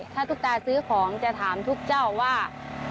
ถ้าตุ๊กตาซื้อของจะถามทุกเจ้าว่า